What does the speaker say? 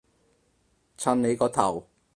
襯你個頭